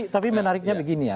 tapi menariknya begini ya